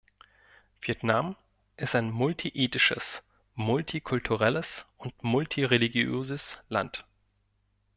Vietnam ist ein multiethnisches, multikulturelles und multireligiöses Land.